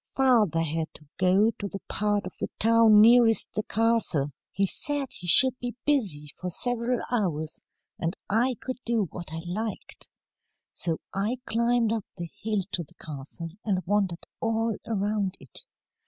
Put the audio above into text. "Father had to go to the part of the town nearest the castle. He said he should be busy for several hours, and I could do what I liked. So I climbed up the hill to the castle, and wandered all around it.